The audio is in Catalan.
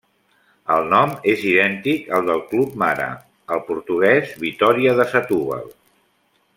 El nom és idèntic al del club mare, el portuguès Vitória de Setúbal.